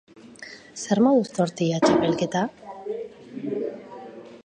Zer moduz tortilla txapelketa?